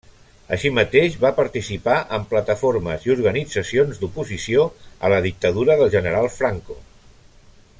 Així mateix, va participar en plataformes i organitzacions d'oposició a la dictadura del general Franco.